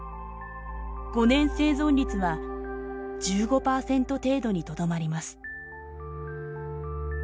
５年生存率は１５パーセント程度にとどまります。